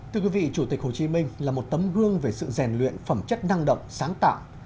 thưa quý vị chủ tịch hồ chí minh là một tấm gương về sự rèn luyện phẩm chất năng động sáng tạo